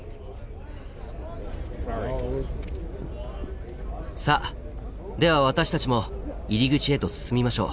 さあでは私たちも入り口へと進みましょう。